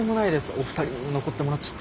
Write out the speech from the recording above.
お二人にも残ってもらっちゃって。